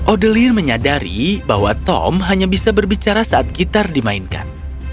odeline menyadari bahwa tom hanya bisa berbicara saat gitar dimainkan